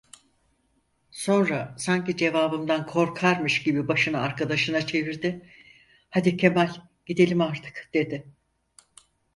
Sonra, sanki cevabımdan korkarmış gibi başını arkadaşına çevirdi: "Hadi Kemal, gidelim artık!" dedi.